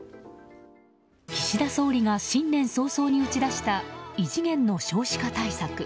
岸田総理が新年早々に打ち出した異次元の少子化対策。